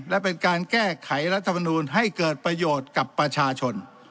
และเป็นการแก้ไขรัฐมนูลให้เกิดประโยชน์กับประชาชน